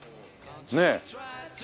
ねえ。